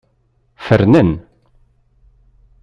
Fernen.